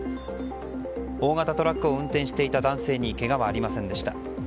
大型トラックを運転していた男性にけがはありませんでした。